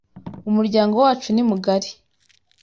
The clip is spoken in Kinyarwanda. Umuryango wacu ni mugari